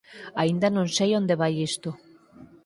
Aínda non sei onde vai isto.